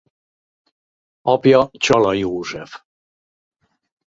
Apja Csala József.